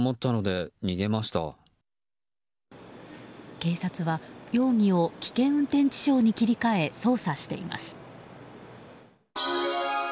警察は容疑を危険運転致傷に切り替え捜査しています。